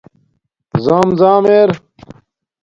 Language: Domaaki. زام زام ار